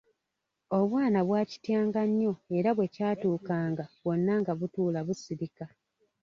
Obwana bwakityanga nnyo era bwekyatuukanga bwonna nga butuula busirika.